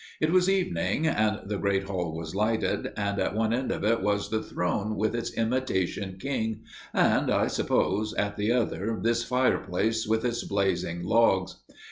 It was evening, and the great hall was lighted, and at one end of it was the throne with its imitation king, and, I suppose, at the other this fireplace with its blazing logs.